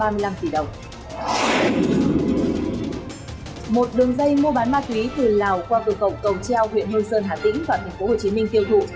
một đường dây mua bán ma túy từ lào qua cửa khẩu cầu treo huyện hương sơn hà tĩnh và tp hcm tiêu thụ